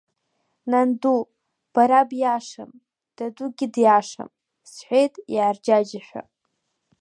Нанду, бара биашам, дадугьы диашам, – сҳәеит иаарџьаџьашәа.